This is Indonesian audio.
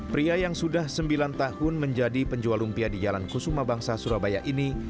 pria yang sudah sembilan tahun menjadi penjual lumpia di jalan kusuma bangsa surabaya ini